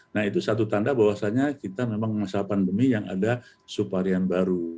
nah itu satu tanda bahwasannya kita memang masa pandemi yang ada subvarian baru